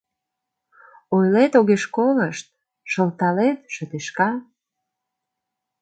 Ойлет — огеш колышт, шылталет — шыдешка.